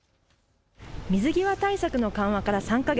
水際対策の緩和から３か月。